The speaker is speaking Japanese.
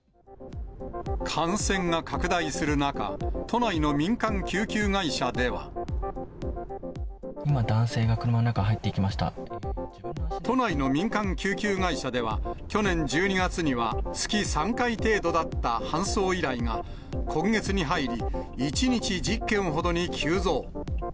感染が拡大する中、今、男性が車の中に入ってい都内の民間救急会社では、去年１２月には月３回程度だった搬送依頼が、今月に入り、１日１０件ほどに急増。